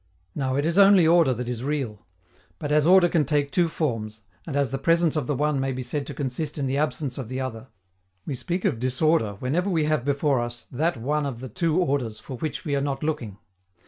Now, it is only order that is real; but, as order can take two forms, and as the presence of the one may be said to consist in the absence of the other, we speak of disorder whenever we have before us that one of the two orders for which we are not looking.